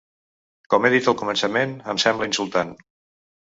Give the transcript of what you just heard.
Com he dit al començament, em sembla insultant.